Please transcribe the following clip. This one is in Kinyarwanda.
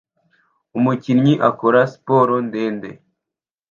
Umukinnyi akora siporo ndende